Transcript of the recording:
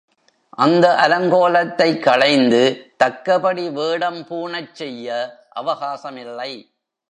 அந்த அலங் கோலத்தைக் களைந்து தக்கபடி வேடம் பூணச்செய்ய அவகாசமில்லை!